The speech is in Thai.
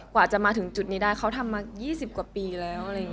กว่าจะมาถึงจุดนี่ได้เขาทำมันสิบกว่าปีแล้ว